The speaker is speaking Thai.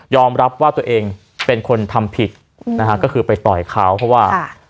รับว่าตัวเองเป็นคนทำผิดนะฮะก็คือไปต่อยเขาเพราะว่า